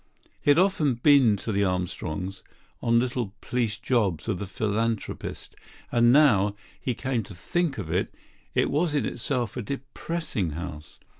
He had often been to the Armstrongs', on little police jobs of the philanthropist; and, now he came to think of it, it was in itself a depressing house.